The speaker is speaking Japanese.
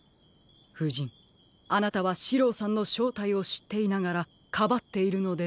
ふじんあなたはシローさんのしょうたいをしっていながらかばっているのでは？